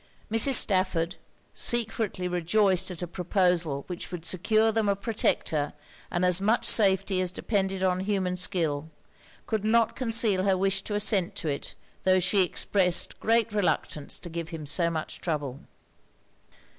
Mrs. Stafford, secretly rejoiced at a proposal which would secure them a protector and as much safety as depended on human skill, could not conceal her wish to assent to it; tho' she expressed great reluctance to give him so much trouble.